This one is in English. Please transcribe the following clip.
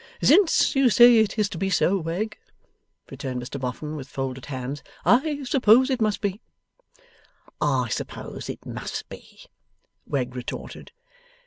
'Since you say it is to be so, Wegg,' returned Mr Boffin, with folded hands, 'I suppose it must be.' 'I suppose it must be,' Wegg retorted.